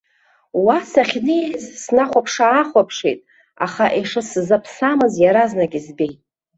Уа сахьнеиз, снахәаԥш-аахәаԥшит, аха ишысзаԥсамыз иаразнак избеит.